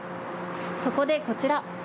そこでこちら。